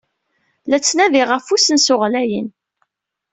La ttnadiɣ ɣef usensu ɣlayen.